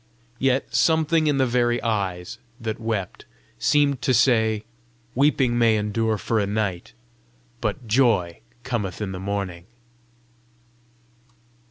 Yet something in the very eyes that wept seemed to say, "Weeping may endure for a night, but joy cometh in the morning."